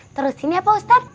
terusin ya pak ustadz